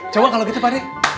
coba kalau gitu pak dek